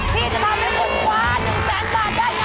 ที่จะทำให้คุณคว้า๑แสนบาทได้